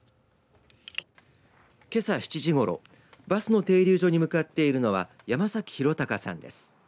けさ７時ごろバスの停留所に向かっているのは山崎浩敬さんです。